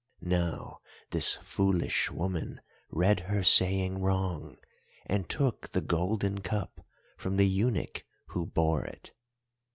"Now this foolish woman read her saying wrong, and took the golden cup from the eunuch who bore it.